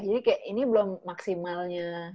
jadi kayak ini belum maksimalnya